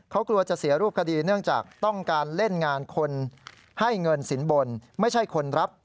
เขากลัวจะเสียรูปคดีเนื่องจากต้องการเล่นงานคนให้เงินสินบนไม่ใช่คนรับ